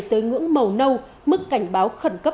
tới ngưỡng màu nâu mức cảnh báo khẩn cấp